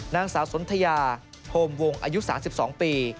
นางสาวสนทยาโฮมวงอายุ๓๒ปี